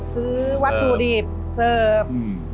ซื้อวัตถุดิบเสิร์ฟ